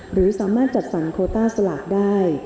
หรือสามารถจัดสรรโคต้าสลากได้